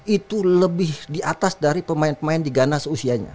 itu lebih di atas dari pemain pemain di gana seusianya